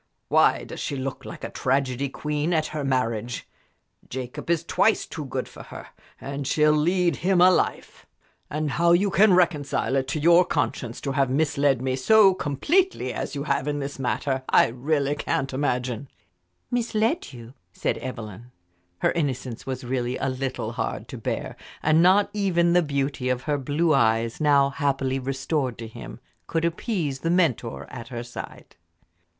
Why does she look like a tragedy queen at her marriage? Jacob is twice too good for her, and she'll lead him a life. And how you can reconcile it to your conscience to have misled me so completely as you have in this matter, I really can't imagine." "Misled you?" said Evelyn. Her innocence was really a little hard to bear, and not even the beauty of her blue eyes, now happily restored to him, could appease the mentor at her side.